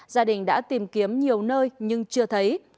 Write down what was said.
gia đình đã tìm kiếm nhiều nơi nhưng chưa thấy